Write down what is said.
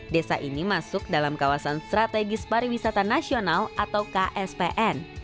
desa ini masuk dalam kawasan strategis pariwisata nasional atau kspn